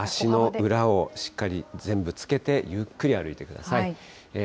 足の裏をしっかり全部つけて、ゆっくり歩いてください。